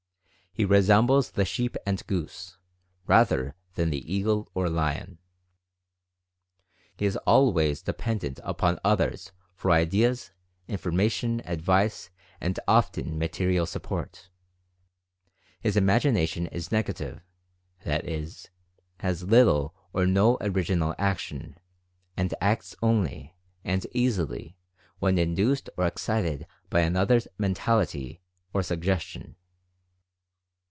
He resembles the sheep and goose, rather than the eagle or lion. He is always dependent upon others for ideas, information, advice, and often material support. His Imagination is negative, that is, has little or no original action, and acts only (and easily) when induced or excited by an other's mentality or suggestion.